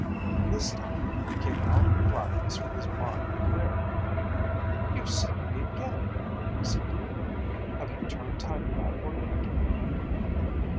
This time he came out of the blackness with his mind clear. "You've saved me again," he said to Lima. "Have you turned time backward again?"